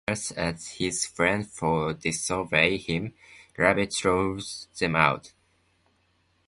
Furious at his friends for disobeying him, Rabbit throws them out.